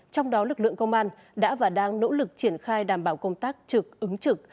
trong đó lực lượng công an đã và đang nỗ lực triển khai đảm bảo công tác trực ứng trực